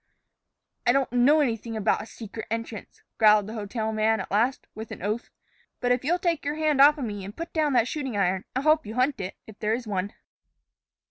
"I don't know anything about a secret entrance," growled the hotel man at last, with an oath. "But if you'll take your hand off me and put down that shooting iron, I'll help you hunt it, if there is one."